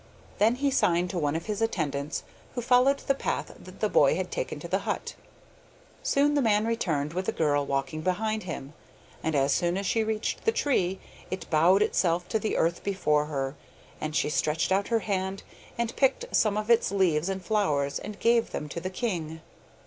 Then he signed to one of his attendants, who followed the path that the boy had taken to the hut. Soon the man returned, with the girl walking behind him. And as soon as she reached the tree it bowed itself to the earth before her, and she stretched out her hand and picked some of its leaves and flowers and gave them to the king.